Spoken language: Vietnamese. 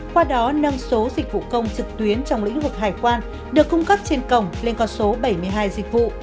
qua đó nâng số dịch vụ công trực tuyến trong lĩnh vực hải quan được cung cấp trên cổng lên con số bảy mươi hai dịch vụ